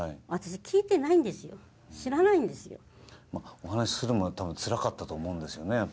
お話しするのもつらかったと思うんですね。